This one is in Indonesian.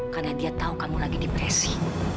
karena dia tahu kamu lagi depresi